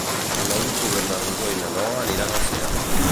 El nou d'octubre na Rosó i na Noa aniran al cinema.